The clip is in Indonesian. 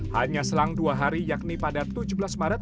hanya selang dua hari yakni pada tujuh belas maret